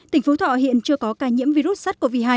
tỉnh phú thọ hiện chưa có ca nhiễm virus sars cov hai